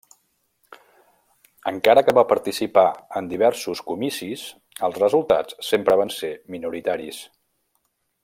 Encara que va participar en diversos comicis, els resultats sempre van ser minoritaris.